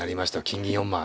金銀４枚。